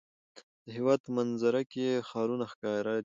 د هېواد په منظره کې ښارونه ښکاره دي.